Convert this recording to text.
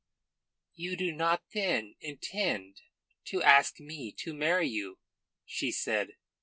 "You do not then intend to ask me to marry you?" she said.